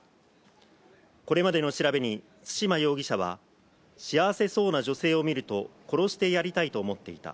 これまでの調べに對馬容疑者は、幸せそうな女性を見ると殺してやりたいと思っていた。